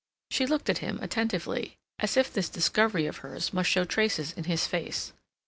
She looked at him attentively as if this discovery of hers must show traces in his face.